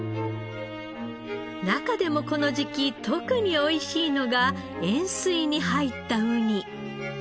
中でもこの時期特においしいのが塩水に入ったウニ。